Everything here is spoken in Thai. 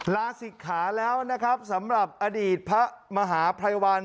ลาศิกขาแล้วนะครับสำหรับอดีตพระมหาภัยวัน